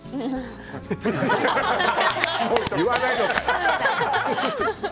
言わないの？